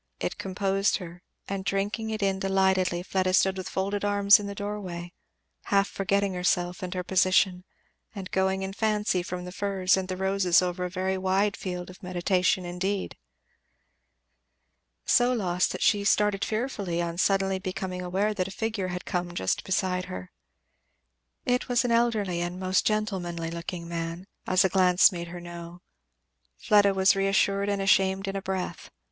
It composed her, and drinking it in delightedly Fleda stood with folded arms in the doorway, half forgetting herself and her position, and going in fancy from the firs and the roses over a very wide field of meditation indeed. So lost, that she started fearfully on suddenly becoming aware that a figure had come just beside her. It was an elderly and most gentlemanly looking man, as a glance made her know. Fleda was reassured and ashamed in a breath.